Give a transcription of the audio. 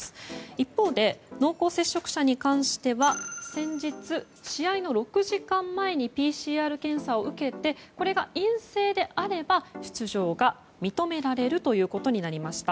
一方で濃厚接触者に関しては先日、試合の６時間前にＰＣＲ検査を受けてこれが陰性であれば出場が認められるということになりました。